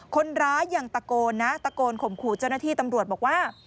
คนร้ายยังตะโกนนะตะโกนข่มขู่เจ้าหน้าที่ตำรวจบอกว่า